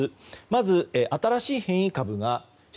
まず、新しい変異株。